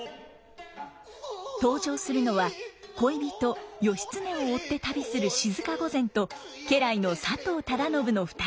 登場するのは恋人義経を追って旅する静御前と家来の佐藤忠信の２人。